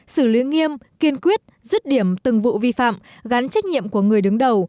xử lý nghiêm kiên quyết rứt điểm từng vụ vi phạm gắn trách nhiệm của người đứng đầu